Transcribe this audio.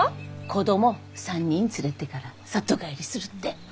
子供３人連れてから里帰りするって。